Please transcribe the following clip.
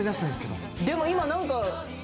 でも今何か。